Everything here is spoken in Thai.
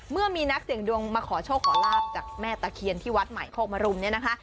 เมื่อมีนักเสียงดวงมาขอโชคขอลาบจากแม่ตะเคียนที่วัดใหม่โคกมรุมเนี่ยนะคะ